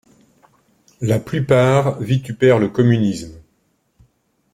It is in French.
La plupart vitupèrent le communisme.